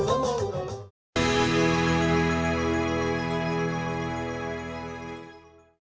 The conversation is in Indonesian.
dan dua perang